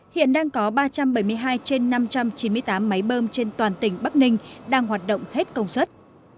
hiện đang có ba trăm bảy mươi hai trên năm trăm chín mươi tám máy bơm trên toàn tỉnh bắc ninh đang hoạt động hết công suất